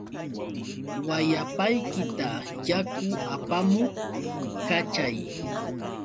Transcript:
Wayapaykita yaku apamuq kachay.